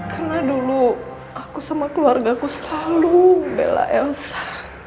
karena dulu aku sama keluarga aku selalu bela elsa